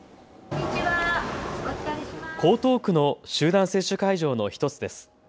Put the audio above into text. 江東区の集団接種会場の１つです。